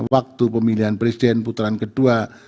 waktu pemilihan presiden putaran kedua